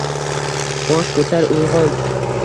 Bosh ko’tar, uyg’on!